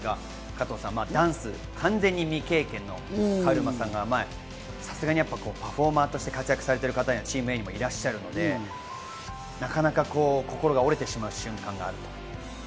加藤さん、ダンス完全に未経験のカルマさんがさすがにパフォーマーとして活躍されてる方やチームメートもいらっしゃるので、なかなか心が折れてしまう瞬間があると。